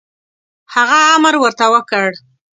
هغه امر ورته وکړ.